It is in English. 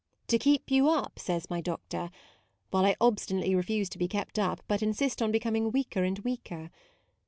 " To keep you up," says my doctor: MAUDE 93 while I obstinately refuse to be kept up, but insist on becoming weaker and weaker.